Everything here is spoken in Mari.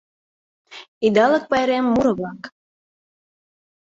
ИДАЛЫК ПАЙРЕМ МУРО-ВЛАК.